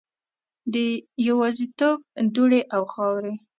د یوازیتوب دوړې او خاورې